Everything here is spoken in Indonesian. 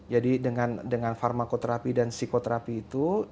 jadi dengan farmakoterapi dan psikoterapi itu